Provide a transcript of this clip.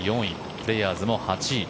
プレーヤーズも８位。